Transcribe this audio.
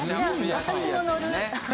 私ものる。